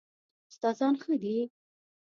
استادان ښه دي؟